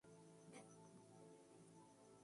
Potter fue rector del St.